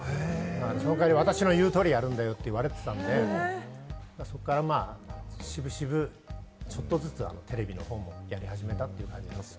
その代わり、私の言う通りやるんだよと言われていたので、そこから渋々ちょっとずつテレビの方もやり始めたという感じです。